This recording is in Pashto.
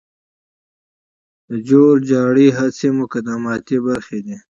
د جور جارې هڅې مقدماتي برخي دي.